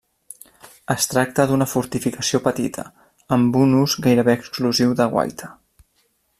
Es tracta d'una fortificació petita, amb un ús gairebé exclusiu de guaita.